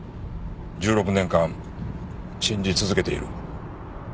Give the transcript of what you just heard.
１６年間信じ続けている。